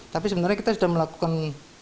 tapi sebenarnya kita sudah melakukan